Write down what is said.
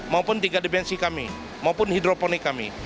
maupun tiga dimensi kami maupun hidroponik kami